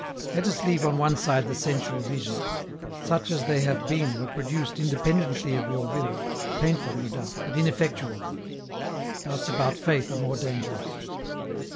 " Let us leave on one side the sensual visions ; such as they have been were produced independently of your will, painful no doubt, but ineffectual. " Doubts about Faith are more dangerous.